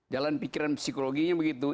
jalan pikiran psikologinya begitu